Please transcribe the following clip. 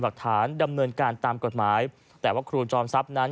หลักฐานดำเนินการตามกฎหมายแต่ว่าครูจอมทรัพย์นั้น